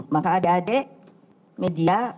maka adik adik media